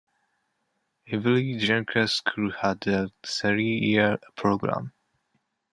Every junker school had a three-year program.